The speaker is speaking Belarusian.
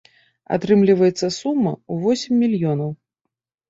Атрымліваецца сума ў восем мільёнаў.